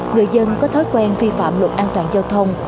người dân có thói quen vi phạm luật an toàn giao thông